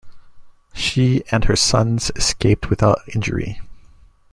She and her sons escaped without injury.